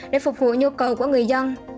để phục vụ nhu cầu của người dân